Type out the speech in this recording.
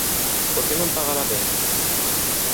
¿Por qué nun paga la pena?